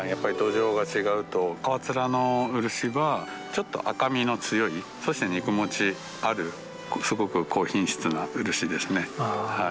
川連の漆はちょっと赤みの強いそして肉もちあるすごく高品質な漆ですね。